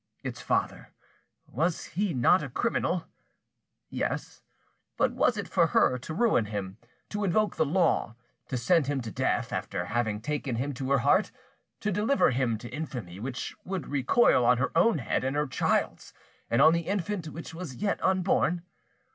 Its father, was he not a criminal? Yes! but was it for her to ruin him, to invoke the law, to send him to death, after having taken him to her heart, to deliver him to infamy which would recoil on her own head and her child's and on the infant which was yet unborn?